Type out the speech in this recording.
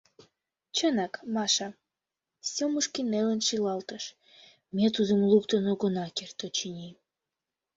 — Чынак, Маша, — Сёмушкин нелын шӱлалтыш: — ме тудым луктын огына керт, очыни.